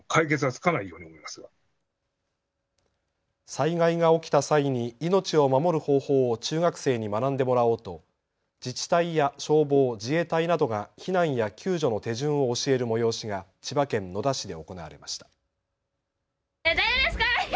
災害が起きた際に命を守る方法を中学生に学んでもらおうと自治体や消防、自衛隊などが避難や救助の手順を教える催しが千葉県野田市で行われました。